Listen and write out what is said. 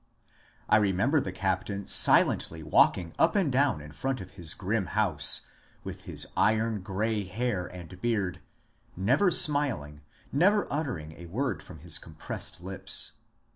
I remember the captain silently walking ap and down in front of his grim house, with his iron grey hair and beard, never smiling, never uttering a word from his compressed lips.